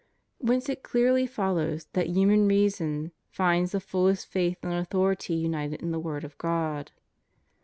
Whence it clearly follows that human reason finds the fullest faith and authority united in the word of God.